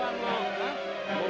aduh ketawa lo